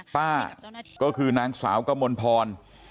ป้าก็คือนางสาวกมลพร